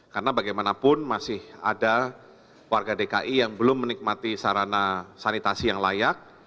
karena bagaimanapun masih ada warga dki yang belum menikmati sarana sanitasi yang layak